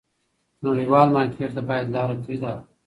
نړیوال مارکیټ ته باید لاره پیدا کړو.